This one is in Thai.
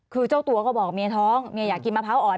คือเจ้าตัวก็บอกเมียท้องเมียอยากกินมะพร้าวอ่อน